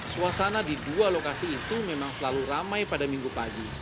suasana di dua lokasi itu memang selalu ramai pada minggu pagi